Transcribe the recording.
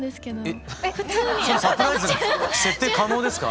えっそれサプライズの設定可能ですか？